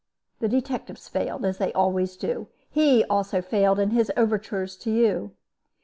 The detectives failed, as they always do. He also failed in his overtures to you.